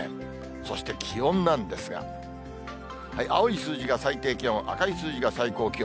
そして気温なんですが、青い数字が最低気温、赤い数字が最高気温。